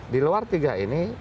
di luar tiga ini